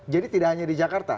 jadi tidak hanya di jakarta